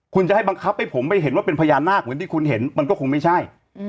คุณจะให้บังคับให้ผมไปเห็นว่าเป็นพญานาคเหมือนที่คุณเห็นมันก็คงไม่ใช่